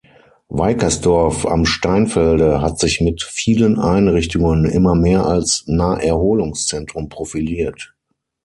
Weikersdorf am Steinfelde hat sich mit vielen Einrichtungen immer mehr als Naherholungszentrum profiliert.